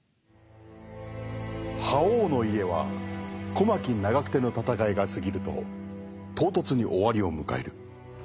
「覇王の家」は小牧・長久手の戦いが過ぎると唐突に終わりを迎える。